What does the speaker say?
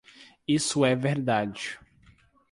E isso é verdade.